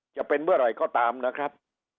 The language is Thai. จะเป็นเมื่อไหร่ก็ตามนะครับ